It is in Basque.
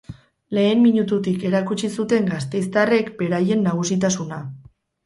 Lehen minututik erakutsi zuten gastezitarrek beraien nagusitasuna.